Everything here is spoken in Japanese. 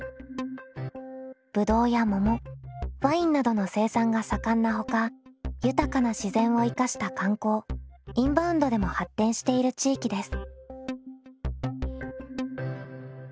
ぶどうや桃ワインなどの生産が盛んなほか豊かな自然を生かした観光インバウンドでも発展している地域です。